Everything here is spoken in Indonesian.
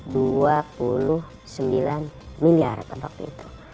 dua puluh sembilan miliar pada waktu itu